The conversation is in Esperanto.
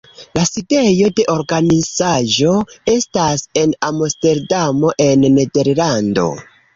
La sidejo de organizaĵo estas en Amsterdamo en Nederlando.